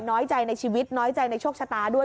น้อยใจในชีวิตน้อยใจในโชคชะตาด้วย